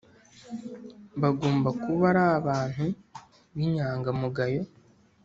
Bagomba kuba ari abantu b inyangamugayo